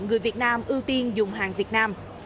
người việt nam ưu tiên dùng hàng việt nam